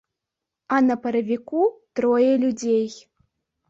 А на паравіку трое людзей.